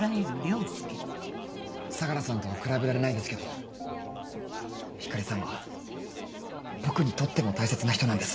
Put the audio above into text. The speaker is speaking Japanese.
相良さんとは比べられないですけど光莉さんは僕にとっても大切な人なんです。